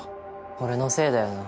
俺のせいだよな。